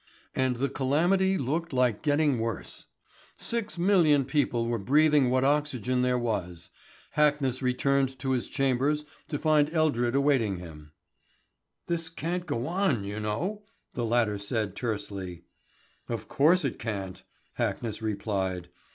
And the calamity looked like getting worse. Six million people were breathing what oxygen there was. Hackness returned to his chambers to find Eldred awaiting him. "This can't go on, you know," the latter said tersely. "Of course it can't," Hackness replied.